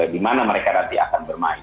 di mana mereka nanti akan bermain